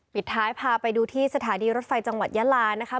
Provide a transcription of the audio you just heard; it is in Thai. ปิดท้ายพาไปดูที่สถานีรถไฟจังหวัดยาลานะคะ